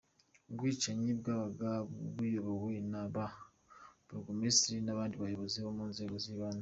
Ubwicanyi bwabaga buyobowe na ba Burugumesitiri n’abandi bayobozi bo mu nzego z’ibanze.